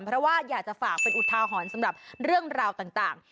เพราะว่าอยากจะฝากเป็นอุทาหรณ์สำหรับเรื่องราวต่าง